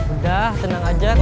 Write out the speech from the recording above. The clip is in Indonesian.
udah tenang aja gak usah takut